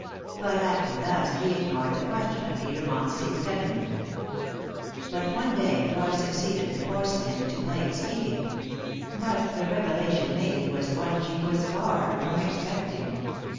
By acting thus, he ignored the question of Edermont's secret enemy. But one day Dora succeeded in forcing him into plain speaking; but the revelation made was one she was far from expecting.